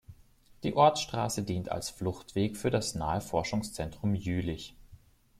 Die Ortsstraße dient als Fluchtweg für das nahe Forschungszentrum Jülich.